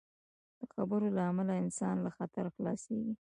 د خبرو له امله انسان له خطر خلاصېږي.